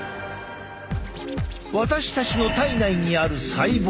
私たちの体内にある細胞。